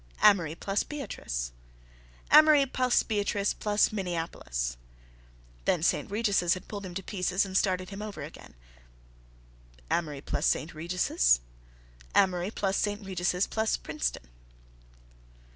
2. Amory plus Beatrice. 3. Amory plus Beatrice plus Minneapolis. Then St. Regis' had pulled him to pieces and started him over again: 4. Amory plus St. Regis'. 5. Amory plus St. Regis' plus Princeton.